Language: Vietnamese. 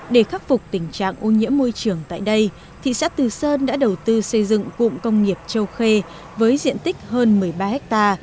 để khắc phục tình trạng ô nhiễm môi trường tại đây thị xã từ sơn đã đầu tư xây dựng cụm công nghiệp châu khê với diện tích hơn một mươi ba ha